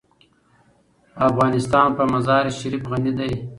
افغانستان په مزارشریف غني دی.